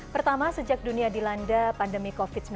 pertama sejak dunia dilanda pandemi covid sembilan belas